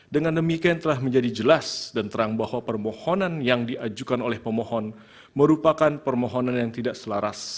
dengan demikian telah menjadi jelas dan terang bahwa permohonan yang diajukan oleh pemohon merupakan permohonan yang tidak selaras